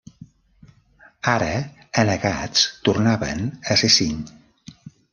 Ara, Anegats tornaven a ser cinc.